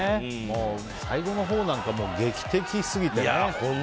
最後のほうなんか劇的すぎてね。